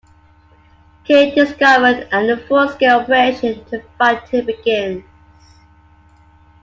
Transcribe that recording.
Cain is discovered, and a full scale operation to find him begins.